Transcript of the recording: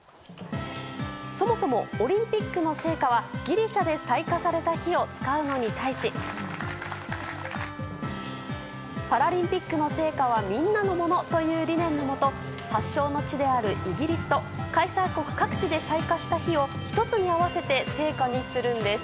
そもそも、オリンピックの聖火はギリシャで採火された火を使うのに対しパラリンピックの聖火はみんなのものという理念のもと発祥の地であるイギリスと開催国各地で採火した火を１つに合わせて聖火にするんです。